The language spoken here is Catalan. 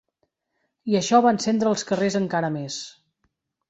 I això va encendre els carrers encara més.